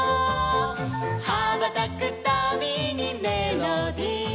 「はばたくたびにメロディ」